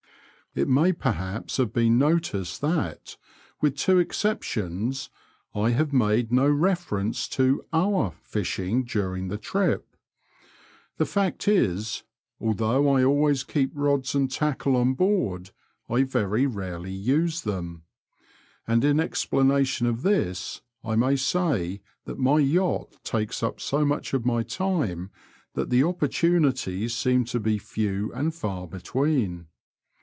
It may perhaps have been noticed that, with two ex ceptions, I have made no reference to our fishing during the trip. The fact is, although I always keep rods and tackle on board, I very rarely use them ; and in explanation of this I may say that my yacht takes up so much of my time that the opportunities seem to be few and far between.